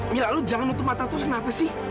mila lo jangan matah terus kenapa sih